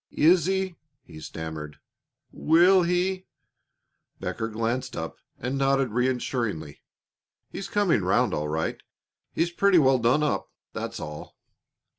"Is he " he stammered, "will he " Becker glanced up and nodded reassuringly. "He's coming round all right. He's pretty well done up, that's all."